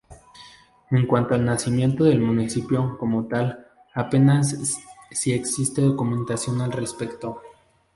En cuanto al nacimiento del municipio como tal, apenas si existe documentación al respecto.